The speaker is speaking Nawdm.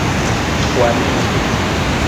Wa nii.